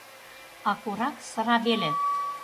а корак сыра веле: